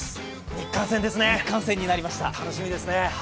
日韓戦ですね、楽しみですね